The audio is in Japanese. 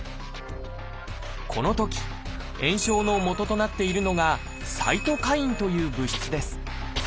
このとき炎症のもととなっているのが「サイトカイン」という物質です。